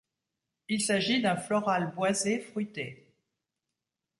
Il s'agit d'un floral boisé fruité.